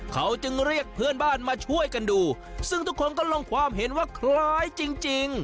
เขาจึงเรียกเพื่อนบ้านมาช่วยกันดูซึ่งทุกคนก็ลงความเห็นว่าคล้ายจริงจริง